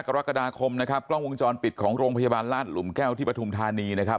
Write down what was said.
กรกฎาคมนะครับกล้องวงจรปิดของโรงพยาบาลราชหลุมแก้วที่ปฐุมธานีนะครับ